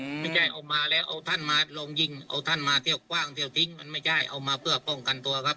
ไม่ใช่เอามาแล้วเอาท่านมาลองยิงเอาท่านมาเที่ยวกว้างเที่ยวทิ้งมันไม่ใช่เอามาเพื่อป้องกันตัวครับ